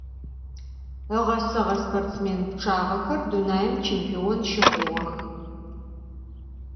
Iğeseğe sportsmên pççağexer dunaim çêmpion şıxhuğex.